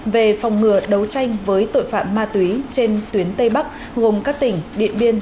về phòng ngừa đấu tranh với tội phạm ma túy trên tuyến tây bắc gồm các tỉnh điện biên